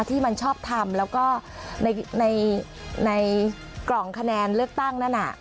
ที่มันชอบทำแล้วก็ในกล่องคะแนนเลือกตั้งนั่นน่ะ